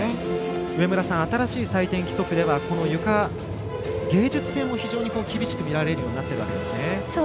新しい採点規則ではゆか、芸術性も非常に厳しく見られるようになっているんですね。